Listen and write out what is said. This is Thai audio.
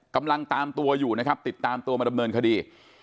กำลังตามตัวอยู่นะครับติดตามตัวมาดำเนินคดี